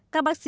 các bác sĩ